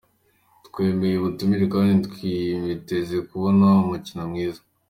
Twemeye ubutumire kandi twiteze kuzabona umukino mwiza”.